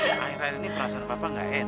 nih akhir akhir ini perasaan papa gak en